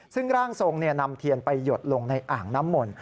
ซึ่งร่างทรงนำเทียนไปหยดลงในอ่างน้ำมนต์